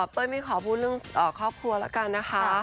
ไม่ขอพูดเรื่องครอบครัวแล้วกันนะคะ